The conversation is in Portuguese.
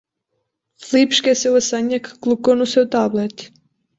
Felipe esqueceu a senha que colocou no seu tablet.